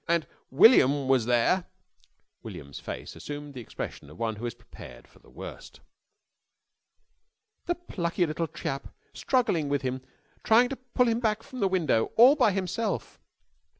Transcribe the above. And and William was there " William's face assumed the expression of one who is prepared for the worst. "The plucky little chap! Struggling with him! Trying to pull him back from the window! All by himself!"